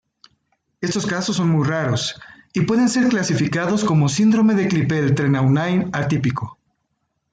Estos casos son muy raros y pueden ser clasificados como síndrome de Klippel-Trenaunay atípico.